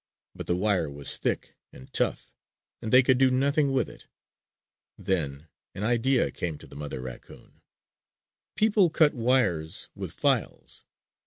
But the wire was thick and tough, and they could do nothing with it. Then an idea came to the mother raccoon. "People cut wires with files!